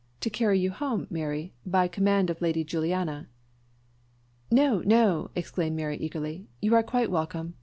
to carry you home, Mary, by command of Lady Juliana." "No, no!" exclaimed Mary eagerly; "you are quite welcome.